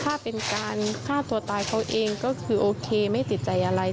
ถ้าเป็นการฆ่าตัวตายเขาเองก็คือโอเคไม่ติดใจอะไร